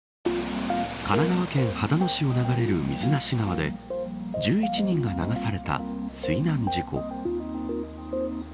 神奈川県秦野市を流れる水無川で１１人が流された水難事故。